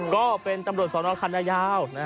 ก็เป็นตำรวจสนคันนายาว